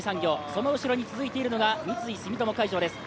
その後ろに続いているのが三井住友海上です。